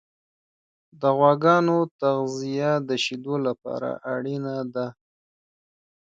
د غواګانو تغذیه د شیدو لپاره اړینه ده.